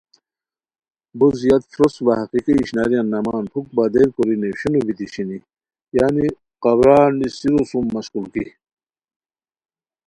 بو زیاد فروسک وا حقیقی اشناریان نامان پُھک بدل کوری نیویشونو بیتی شینی یعنی قبرارنیسیرو سُم مشقولگی